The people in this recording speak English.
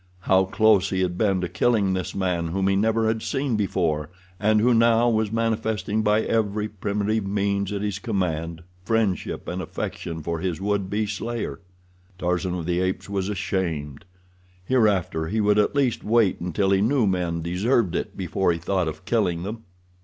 How close he had been to killing this man whom he never had seen before, and who now was manifesting by every primitive means at his command friendship and affection for his would be slayer. Tarzan of the Apes was ashamed. Hereafter he would at least wait until he knew men deserved it before he thought of killing them.